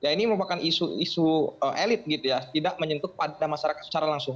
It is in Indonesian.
ini merupakan isu elit tidak menyentuh pada masyarakat secara langsung